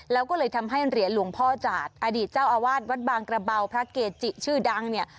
แล้วก็เลยทำให้เหรียญหลวงพ่อจาดอดีตเจ้าอาวาสวัดบางกระเบาพระเกจิชื่อดังเนี่ย